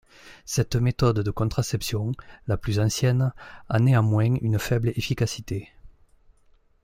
Cette méthode de contraception, la plus ancienne, a néanmoins une faible efficacité.